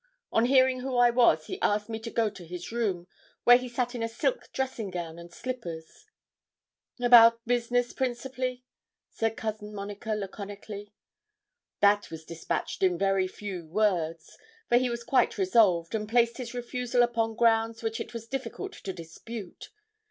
On hearing who I was, he asked me to go to his room, where he sat in a silk dressing gown and slippers.' 'About business principally,' said Cousin Monica, laconically. 'That was despatched in very few words; for he was quite resolved, and placed his refusal upon grounds which it was difficult to dispute.